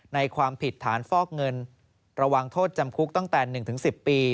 ความผิดฐานฟอกเงินระวังโทษจำคุกตั้งแต่๑๑๐ปี